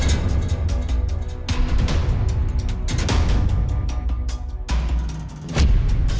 kak aku mau cek dulu ke sana